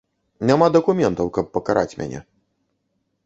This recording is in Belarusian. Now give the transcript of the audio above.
Няма дакументаў, каб пакараць мяне.